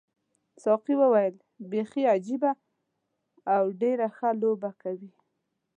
ساقي وویل بیخي عجیبه او ډېره ښه لوبه کوي.